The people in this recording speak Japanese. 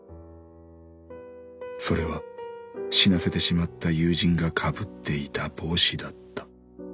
それは死なせてしまった友人が被っていた帽子だった。